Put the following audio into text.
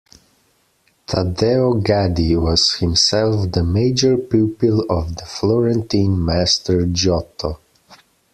Taddeo Gaddi was himself the major pupil of the Florentine master Giotto.